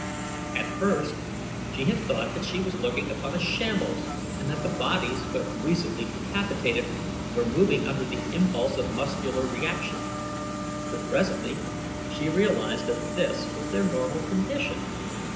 At first she had thought that she was looking upon a shambles and that the bodies, but recently decapitated, were moving under the impulse of muscular reaction; but presently she realized that this was their normal condition.